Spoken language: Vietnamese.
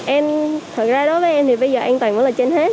em thật ra đối với em thì bây giờ an toàn vẫn là trên hết